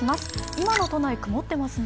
今の都内曇っていますね。